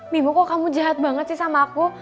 bimo kok kamu jahat banget sih sama aku